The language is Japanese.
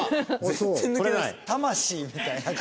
魂みたいなんか。